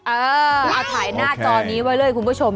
เออเอาถ่ายหน้าจอนี้ไว้เลยคุณผู้ชม